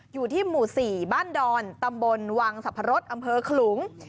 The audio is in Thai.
อยู่ที่หมู่๔บ้านดอนตำบลวังสรรพรสอำเภอขลุง